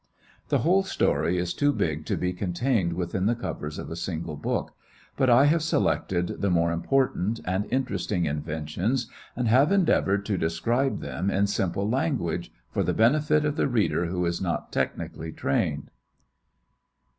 The whole story is too big to be contained within the covers of a single book, but I have selected the more important and interesting inventions and have endeavored to describe them in simple language for the benefit of the reader who is not technically trained.